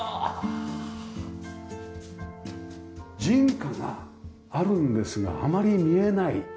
人家があるんですがあまり見えない